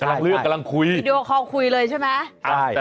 กำลังเลือกกำลังคุยคุยเลยใช่ไหมอ่าใช่